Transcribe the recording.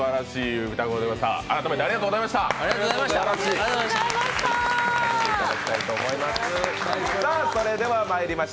改めてありがとうございました。